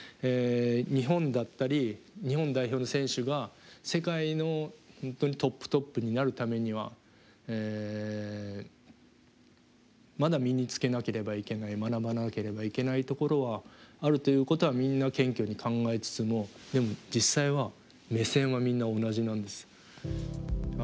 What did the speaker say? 日本だったり日本代表の選手が世界の本当にトップトップになるためにはまだ身につけなければいけない学ばなければいけないところはあるということはみんな謙虚に考えつつもでも実際は目線はみんな同じなんです。